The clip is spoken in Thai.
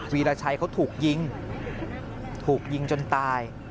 วีรชัยเขาถูกยิงถูกยิงจนตาย